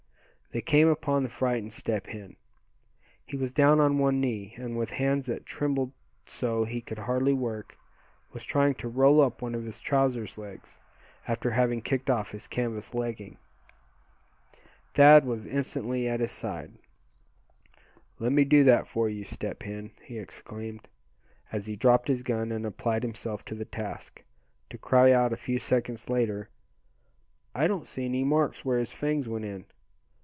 They came upon the frightened Step Hen. He was down on one knee, and with hands that trembled so he could hardly work, was trying to roll up one of his trousers' legs, after having kicked off his canvas legging. Thad was instantly at his side. "Let me do that for you, Step Hen," he exclaimed, as he dropped his gun, and applied himself to the task, to cry out a few seconds later, "I don't see any marks where his fangs went in.